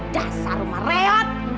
dasar rumah reot